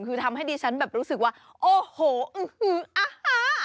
คือทำให้ดิฉันแบบรู้สึกว่าโอ้โหอื้อหืออาหาร